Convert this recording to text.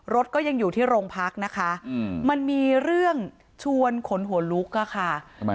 รถก็ยังอยู่ที่โรงพักนะคะมันมีเรื่องชวนขนหัวลุกอะค่ะ